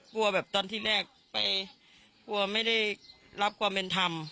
แบบตอนที่แรกไปกลัวไม่ได้รับความเป็นธรรม